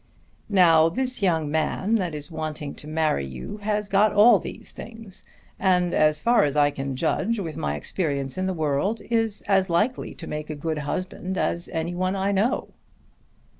"Now this young man that is wanting to marry you has got all these things, and as far as I can judge with my experience in the world, is as likely to make a good husband as any one I know."